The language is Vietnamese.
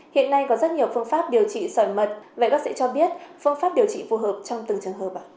hiện nay có rất nhiều phương pháp điều trị sỏi mật vậy bác sĩ cho biết phương pháp điều trị phù hợp trong từng trường hợp